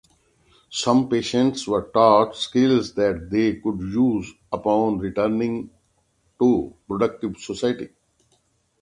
Some patients were taught skills that they could use upon returning to productive society.